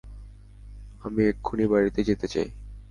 আমি এক্ষুনি বাড়িতে যেতে চাই!